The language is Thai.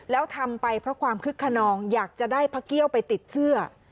แล้วทำไปเพราะความคึกขนองอยากจะได้พระเกี้ยวไปติดเสื้อ